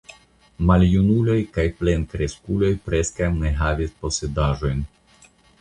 Maljunuloj kaj plenkreskuloj preskaŭ ne havis posedaĵojn.